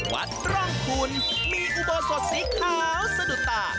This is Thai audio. วัดร่องคุณมีอุโบสถสีขาวสะดุดตา